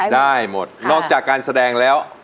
ได้หมดนอกจากการแสดงแล้ว